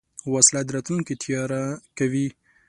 وسله د راتلونکي تیاره کوي